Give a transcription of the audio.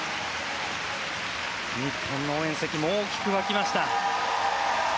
日本の応援席も大きく沸きました。